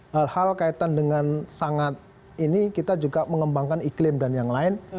dan hal kaitan dengan sangat ini kita juga mengembangkan iklim dan yang lain